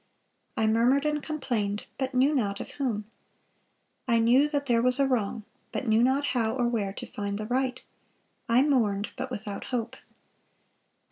I murmured and complained, but knew not of whom. I knew that there was a wrong, but knew not how or where to find the right. I mourned, but without hope."